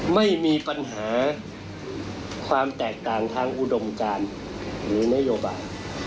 ไม่มีปัญหาความแตกต่างทางอุดมการหรือนโยบาย